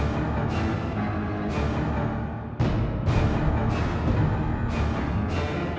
pasti udah duit